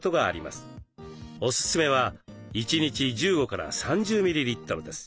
おすすめは１日１５３０ｍｌです。